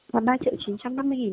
vào ba chín trăm năm mươi đồng